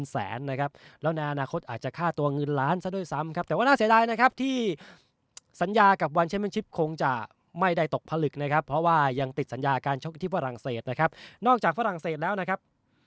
ซ้ำครับแต่ว่าน่าเสียดายนะครับที่สัญญากับวันเช่นมันชิปคงจะไม่ได้ตกผลึกนะครับเพราะว่ายังติดสัญญาการชกที่ฝรั่งเศสนะครับนอกจากฝรั่งเศสแล้วนะครับ